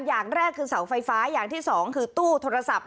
อย่างแรกคือเสาไฟฟ้าอย่างที่สองคือตู้โทรศัพท์